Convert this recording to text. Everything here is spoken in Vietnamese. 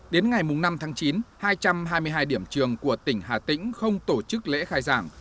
đến ngày năm tháng chín hai trăm hai mươi hai điểm trường của tỉnh hà tĩnh không tổ chức lễ khai giảng